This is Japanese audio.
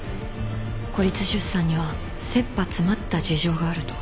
孤立出産には切羽詰まった事情があると。